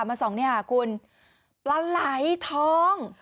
เมื่อสองนี้คุณปลาไหลทอง